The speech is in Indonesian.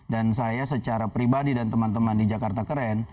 dan saya secara pribadi dan teman teman di jakarta keren